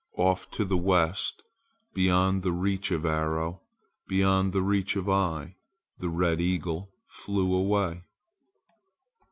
Off to the west beyond the reach of arrow, beyond the reach of eye, the red eagle flew away.